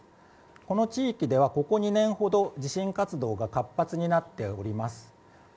この地域ではここ２年ほど地震活動が活発になっております。